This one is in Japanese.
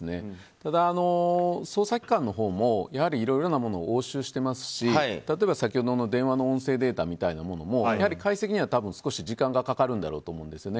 ただ、捜査機関のほうも、やはりいろいろなものを押収してますし例えば先ほどの電話の音声データみたいなものもやはり解析には少し時間がかかるんだろうと思うんですよね。